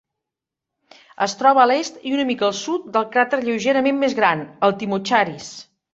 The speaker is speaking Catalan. Es troba a l'est i una mica al sud del cràter lleugerament més gran, el Timocharis.